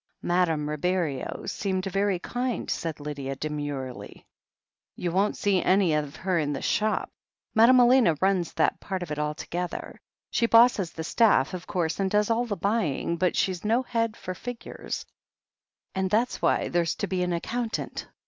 "Madame Ribeiro seemed very kind," said Lydia demurely. "You won't see anything of her in the shop. Madame Elena runs that part of it altogether. She bosses the staff, of course, and does all the buying, but she's no head for figures, and that's why there's to be an accountant.